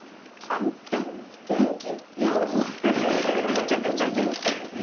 めちゃくちゃ元気。